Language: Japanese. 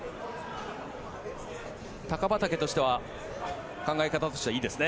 タカバタケとしては考え方としてはいいですね。